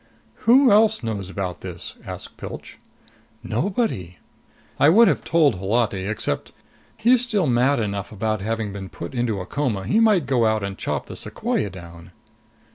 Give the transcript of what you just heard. "Who else knows about this?" asked Pilch. "Nobody. I would have told Holati, except he's still mad enough about having been put into a coma, he might go out and chop the sequoia down."